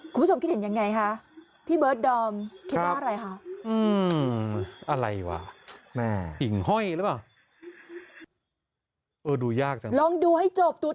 คุณผู้ชมคิดเห็นอย่างไรคะพี่เบิร์ดดอม